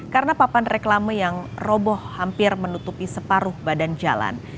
karena papan reklame yang roboh hampir menutupi separuh badan jalan